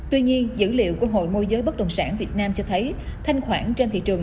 tuy nhiên dữ liệu của hội môi giới bất đồng sản việt nam cho thấy thanh khoản trên thị trường